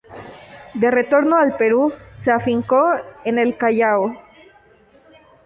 De retorno al Perú, se afincó en el Callao.